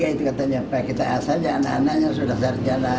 itu katanya pak kita asalnya anak anaknya sudah sarjana